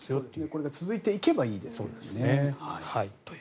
これが続いていけばいいですが。